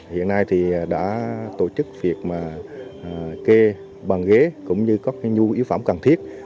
hiện nay thì đã tổ chức việc mà kê bàn ghế cũng như có cái nhu yếu phẩm cần thiết